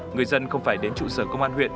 người dân không phải đến trụ sở công an huyện